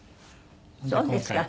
そうですか。